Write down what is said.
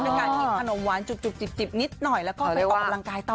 การกินขนมหวานจุบจิบนิดหน่อยแล้วก็ไปออกกำลังกายต่อ